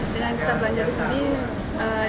dengan kita belajar sendiri